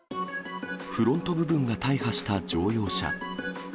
フロント部分が大破した乗用車。